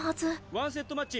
１セットマッチ